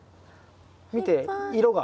見て色が。